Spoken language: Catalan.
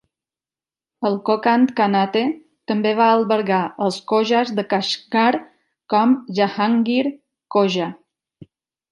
El Kokand Khanate també va albergar els Khojas de Kashgar com Jahangir Khoja.